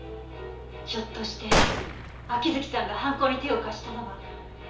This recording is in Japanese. ひょっとして秋月さんが犯行に手を貸したのは。